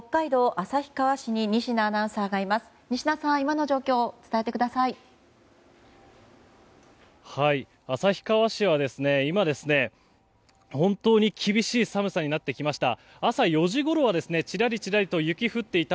旭川市は今、本当に厳しい寒さになってきました。